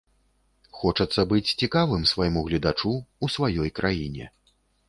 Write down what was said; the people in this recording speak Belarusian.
Хочацца быць цікавым свайму гледачу, у сваёй краіне.